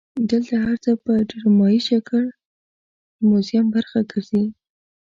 دلته هر څه په ډرامایي شکل د موزیم برخه ګرځي.